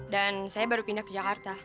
dan saya baru pindah ke jakarta